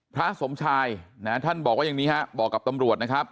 พระสมชายนะท่านบอกว่าอย่างนี้ฮะบอกกับตำรวจนะครับ